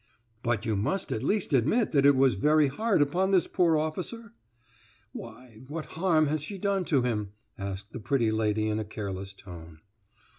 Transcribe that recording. "But you must at least admit that it was very hard upon this poor officer?" "Why, what harm has she done to him?" asked the pretty lady in a careless tone.